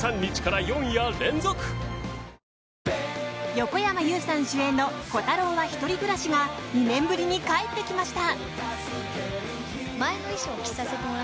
横山裕さん主演の「コタローは１人暮らし」が２年ぶりに帰ってきました。